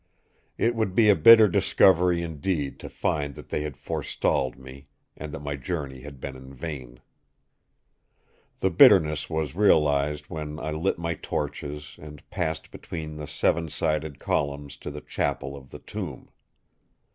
It would be a bitter discovery indeed to find that they had forestalled me; and that my journey had been in vain. "The bitterness was realised when I lit my torches, and passed between the seven sided columns to the Chapel of the tomb.